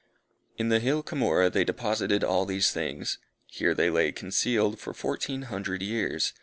In the hill Cumorah, they deposited all these things. Here they lay concealed for fourteen hundred years.